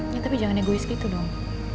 ya tapi jangan negois gitu dong